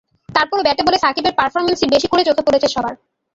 তারপরও ব্যাটে বলে সাকিবের পারফরম্যান্সই বেশি করে চোখে পড়েছে সবার।